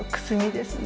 ですね。